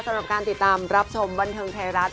สำหรับการติดตามรับชมบันเทิงไทยรัฐ